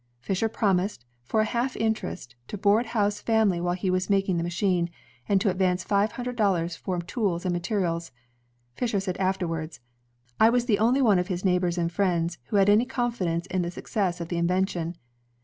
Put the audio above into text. Fisher promised, for a half interest, to board Howe's family while he was making the machine, and to advance five hundred dollars for tools and materials. Fisher said afterwards: "I was the only one of his neighbors and friends ... who had any confidence in the success of the invention.